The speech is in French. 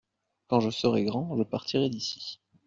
Quand je serais grand je partirai d’ici.